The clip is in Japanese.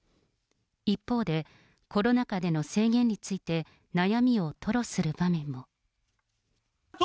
一方で、コロナ禍での制限について、悩みを吐露する場面も。